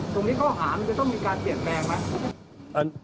ตรงนี้ข้อหามันต้องมีการเปลี่ยนแงไหม